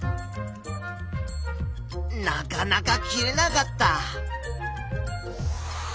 なかなか切れなかった。